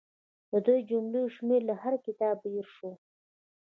د دې جملو شمېر له هر کتاب ډېر شو.